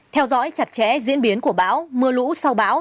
theo dõi chặt chẽ diễn biến của bão mưa lũ sau bão